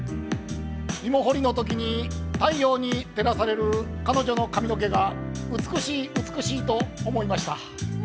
芋掘りのときに太陽に照らされる彼女の髪の毛が美しい、美しいと思いました。